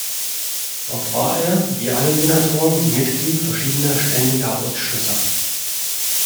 Dort war er, wie alle Senatoren, Mitglied verschiedener ständiger Ausschüsse.